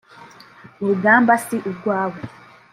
Urugamba si urwawe